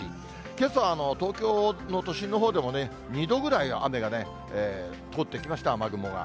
けさは東京の都心のほうでもね、２度ぐらい雨が通ってきました、雨雲が。